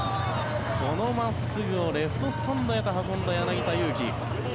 この真っすぐをレフトスタンドへと運んだ柳田悠岐。